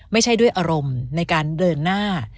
ไม่ใช่ด้วยอารมณ์ในการเดินหน้า